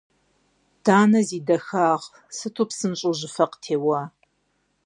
Данэ зи дахагъ, сыту псынщӏэу жьыфэ къытеуа.